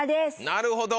なるほど。